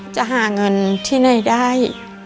จะหาเงินที่ไหนได้